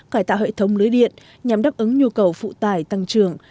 cải tạo hệ thống lưới điện nhằm đáp ứng nhu cầu phụ tải tăng trưởng